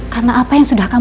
karena apa yang sudah terjadi